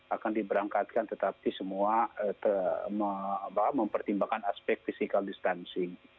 akan diberangkatkan tetapi semua mempertimbangkan aspek physical distancing